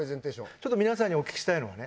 ちょっと皆さんにお聞きしたいのがね